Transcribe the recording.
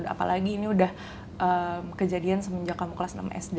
apalagi ini udah kejadian semenjak kamu kelas enam sd